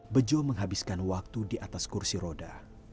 bejo menghabiskan waktu di atas kursi roda